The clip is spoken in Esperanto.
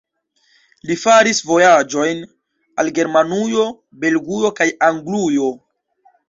Li faris vojaĝojn al Germanujo, Belgujo kaj Anglujo.